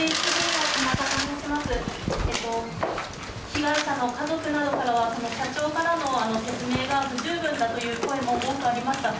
被害者の家族などからは社長からの説明が不十分だという声も多くありました。